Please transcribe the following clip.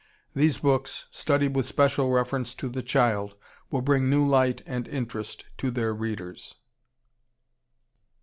These books, studied with special reference to The Child, will bring new light and interest to their readers.